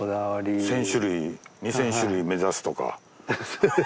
１，０００種類２，０００種類目指すとか。